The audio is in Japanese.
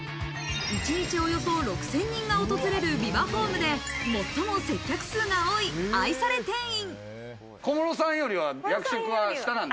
一日およそ６０００人が訪れるビバホームで最も接客数が多い、愛され店員。